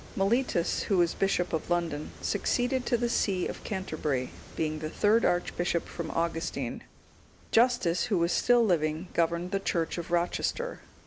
(198) Mellitus, who was bishop of London, succeeded to the see of Canterbury, being the third archbishop from Augustine; Justus, who was still living, governed the church of Rochester.